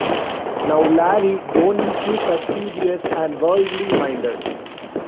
Now, Larry, don't be too fastidious and worldly-minded.